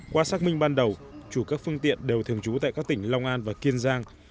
qua xác minh ban đầu chủ các phương tiện đều thường trú tại các tỉnh long an và kiên giang